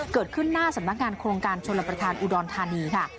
หน้าสำนักงานโครงการชนรับประทานอุดรธานีค่ะ